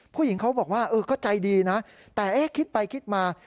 ผู้หญิงเขาบอกว่าเออก็ใจดีนะแต่เอ๊ะคิดไปคิดมา